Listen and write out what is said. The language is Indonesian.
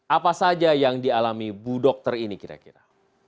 apa saja yang dialami bu dokter ini kira kira